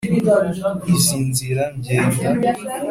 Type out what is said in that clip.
Izi nzira ngenda,